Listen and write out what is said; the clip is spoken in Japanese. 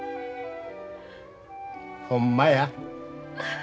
ほんまや。